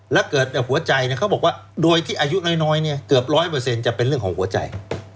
แล้วเกิดหัวใจเขาบอกว่าโดยที่อายุน้อยเนี่ยเกือบ๑๐๐จะเป็นเรื่องของหัวใจ